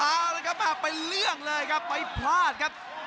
เอาละครับเป็นเรื่องเลยครับไม่พลาดครับ